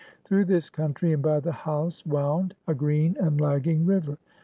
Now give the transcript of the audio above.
Through this country, and by the house, wound a green and lagging river.